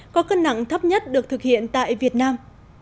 có cân nặng thấp nhất được thực hiện tại việt nam